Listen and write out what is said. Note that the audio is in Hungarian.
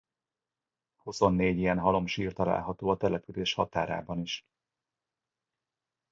Huszonnégy ilyen halomsír található a település határában is.